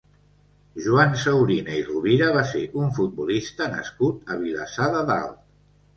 Joan Saurina i Rovira va ser un futbolista nascut a Vilassar de Dalt.